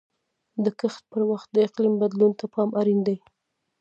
د کښت پر وخت د اقلیم بدلون ته پام اړین دی.